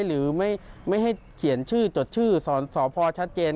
หรือไม่ให้เขียนชื่อจดชื่อสพชัดเจน